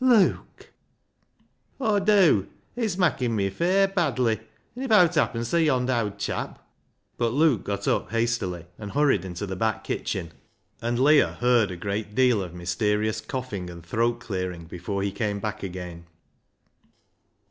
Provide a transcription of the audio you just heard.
" Luke !"" Aw dew ; it's makkin' me fair badly, an' if owt happens ta yond' owd chap" — But Luke got up hastily, and hurried into the back kitchen, and Leah heard a great deal of mysterious coughing and throat clearing before he came back again.